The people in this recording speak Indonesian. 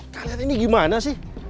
kalian ini gimana sih